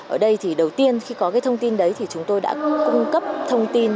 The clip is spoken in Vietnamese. ở đây thì đầu tiên khi có cái thông tin đấy thì chúng tôi đã cung cấp thông tin